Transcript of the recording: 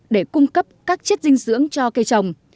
để cung cấp các chất dinh dưỡng cho cây trồng